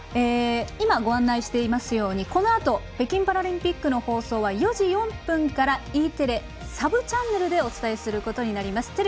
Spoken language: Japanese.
今、ご案内していますようにこのあと北京パラリンピックの放送は４時４分からＥテレ、サブチャンネルでお伝えすることになります。